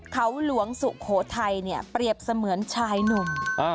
เขาหลวงสุโขทัยเนี่ยเปรียบเสมือนชายหนุ่ม